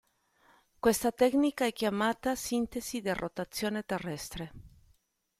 Questa tecnica è chiamata "sintesi di rotazione terrestre".